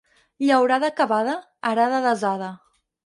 Llaurada acabada, arada desada.